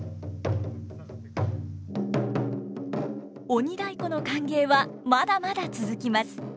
鬼太鼓の歓迎はまだまだ続きます。